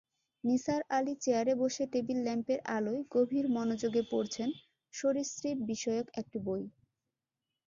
নিসার আলি চেয়ারে বসে টেবিল-ল্যাম্পের আলোয় গভীর মনযোগে পড়ছেন সরীসৃপ-বিষয়ক একটি বই।